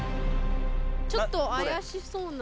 ちょっとあやしそうな。